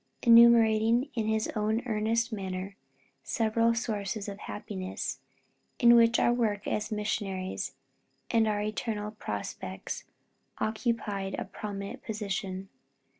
enumerating, in his own earnest manner, several sources of happiness, in which our work as missionaries, and our eternal prospects, occupied a prominent position.